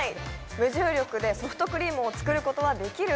無重力でソフトクリームを作ることはできる？